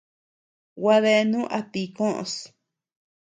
Gua deanu a ti koʼös.